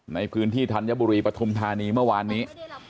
ในพื้นที่ธัญบุรีปฐุมธานีเมื่อวานนี้